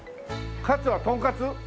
カツはトンカツ？